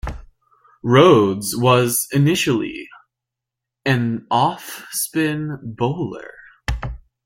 Rhodes was initially an off spin bowler.